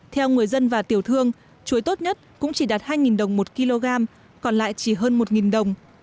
theo người dân và tiểu thương chuối tốt nhất cũng chỉ đạt hai đồng một kg còn lại chỉ hơn một đồng